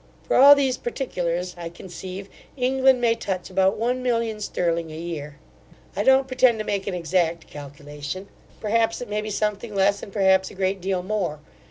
For all these particulars, I conceive, England may touch about one million sterling a year. I don't pretend to make an exact calculation; perhaps, it may be something less, and perhaps, a great deal more.